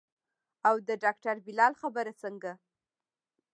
او د ډاکتر بلال خبره څنګه.